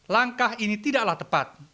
langkah ini tidaklah tepat